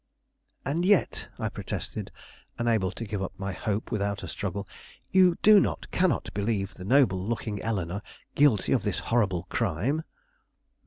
"And yet," I protested, unable to give up my hope without a struggle; "you do not, cannot, believe the noble looking Eleanore guilty of this horrible crime?"